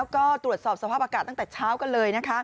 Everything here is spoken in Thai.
ก็ตรวจสอบสภาพอากาศตั้งแต่เช้ากันเลยนะคะ